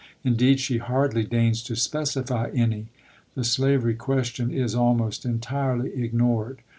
Indeed, she hardly deigns to specify any. The slavery question is almost entirely ignored.